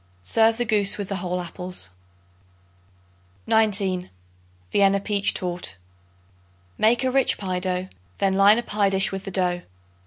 Serve the goose with the whole apples. 19. Vienna Peach Torte. Make a rich pie dough; then line a pie dish with the dough.